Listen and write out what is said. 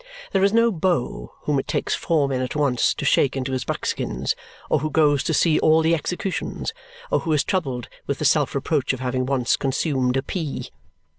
There is no beau whom it takes four men at once to shake into his buckskins, or who goes to see all the executions, or who is troubled with the self reproach of having once consumed a pea.